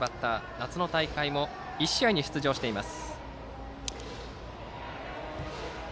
夏の大会も１試合に出場しています。